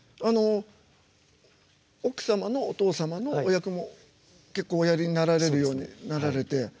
あの奥様のお父様のお役も結構おやりになられるようになられて。